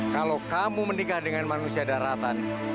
kalau kamu menikah dengan manusia daratan